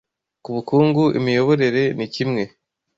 Ku bukungu imiyoborere ni kimwe